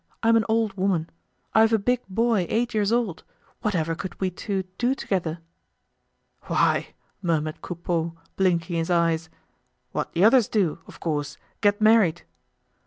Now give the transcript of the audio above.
I'm an old woman; I've a big boy eight years old. Whatever could we two do together?" "Why!" murmured Coupeau, blinking his eyes, "what the others do, of course, get married!"